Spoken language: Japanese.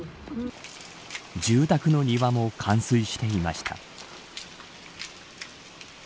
住宅の庭も冠水していました。